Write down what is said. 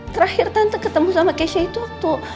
terakhir tante ketemu sama keisha itu waktu